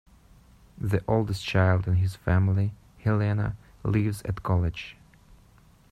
The oldest child in his family, Helena, lives at college.